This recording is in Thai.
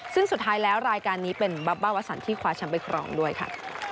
ซึ่งสุดท้ายแล้วรายการนี้เป็นบับบ้าวสันที่คว้าแชมป์ไปครองด้วยค่ะ